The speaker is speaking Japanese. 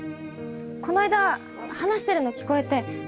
こないだ話してるの聞こえて。